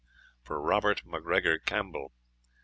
for Robert MacGregor Campbell.